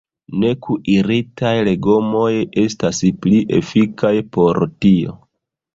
Nekuiritaj legomoj estas pli efikaj por tio.